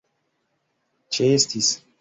ĉeestis